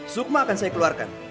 sukma akan saya keluarkan